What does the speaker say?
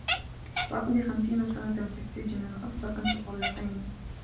سأقضي خمسين سنة في السّجن. من الأفضل أن تطلّقيني.